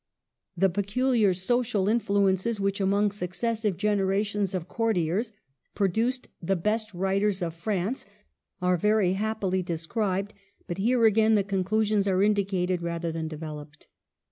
The peculiar social influences which, among successive generations of cour tiers, produced the best writers of France, are very happily described ; but here again the con clusions are indicated rather than developed.